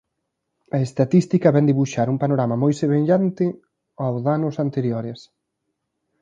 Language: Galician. A estatística vén debuxar un panorama moi semellante ao de anos anteriores.